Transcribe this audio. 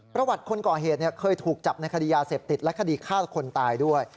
ประวัติคนก่อเหตุเคยถูกจับในคดียาเสพติดและคดีฆ่าคนตายด้วย